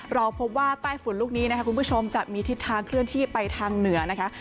เราพบว่าใต้ฝุ่นลูกนี้นะคะคุณผู้ชมจะมีทิศทางเคลื่อนที่ไปทางเหนือนะคะ